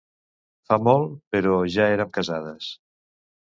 Fa molt, però ja érem casades.